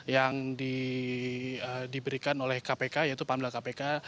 yang diberikan oleh kpk yaitu pamdal kpk